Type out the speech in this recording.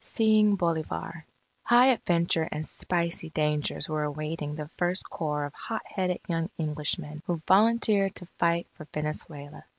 SEEING BOLIVAR High adventure and spicy dangers were awaiting the first corps of hot headed young Englishmen who volunteered to fight for Venezuela.